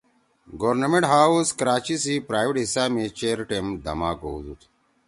گورنمینٹ ہاؤس کراچی سی پرائویٹ حصہ می چیر ٹیم دَما کؤدُود